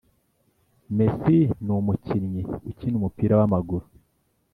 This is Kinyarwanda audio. messi numukinyi ukina umupira wa maguru